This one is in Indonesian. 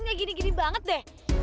kayak gini gini banget deh